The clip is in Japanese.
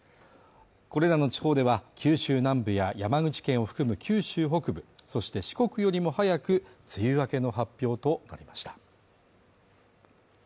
これらの地方では、九州南部や山口県を含む九州北部、そして四国よりも早く梅雨明けの発表となりました。